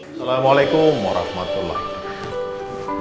assalamualaikum warahmatullahi wabarakatuh